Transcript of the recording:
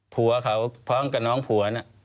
ผัวเขาพร้อมกับน้องผัวน่ะ